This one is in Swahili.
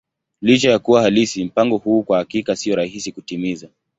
Licha ya kuwa halisi, mpango huu kwa hakika sio rahisi kutimiza.